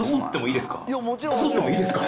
誘ってもいいですか？